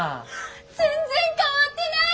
全然変わってない！